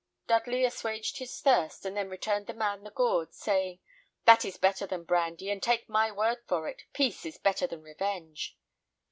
Dudley assuaged his thirst, and then returned the man the gourd, saying, "That is better than brandy, and take my word for it, peace is bettor than revenge.